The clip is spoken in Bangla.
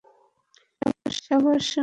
সাবাশ, মা।